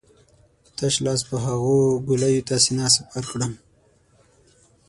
په تش لاس به هغو ګولیو ته سينه سپر کړم.